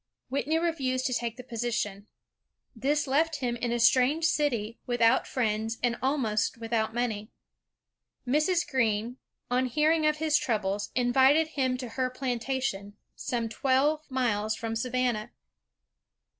Whitney refused to take the position. This left him in a strange city, without friends and almost without money. Mrs. Greene, on hearing of his troubles, invited him to her plantation, some twelve miles from Savannah.